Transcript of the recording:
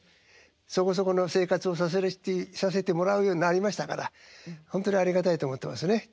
そこそこの生活をさせてもらうようになりましたからほんとにありがたいと思ってますね。